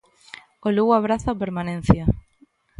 O Lugo abraza a permanencia.